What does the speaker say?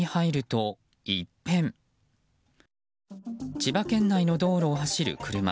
千葉県内の道路を走る車。